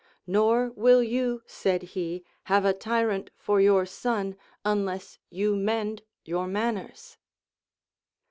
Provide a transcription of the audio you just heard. Nor will you, said he, have a tyrant for your son, unless you mend your manners.